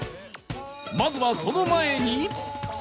まずはその前に